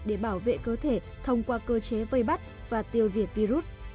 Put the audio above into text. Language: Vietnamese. để bảo vệ cơ thể thông qua cơ chế vây bắt và tiêu diệt virus